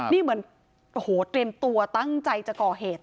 นี่เหมือนโอ้โหเตรียมตัวตั้งใจจะก่อเหตุ